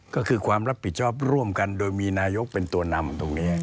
ก็คือความรับผิดชอบร่วมกันโดยมีนายกเป็นตัวนำตรงนี้